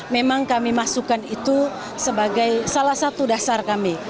memang kami masukkan itu sebagai salah satu dasar kami